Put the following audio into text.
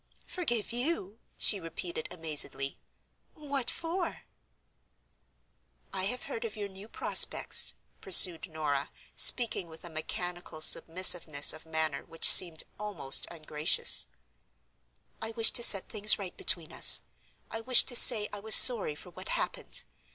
"Forgive you!" she repeated, amazedly. "What for?" "I have heard of your new prospects," pursued Norah, speaking with a mechanical submissiveness of manner which seemed almost ungracious; "I wished to set things right between us; I wished to say I was sorry for what happened.